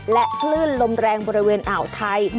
และคลื่นลมแรงบริเวณอ่าวไทย